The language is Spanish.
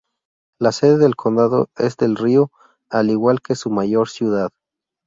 La sede del condado es Del Río, al igual que su mayor ciudad.